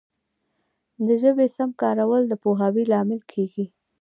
د ژبي سم کارول د پوهاوي لامل کیږي.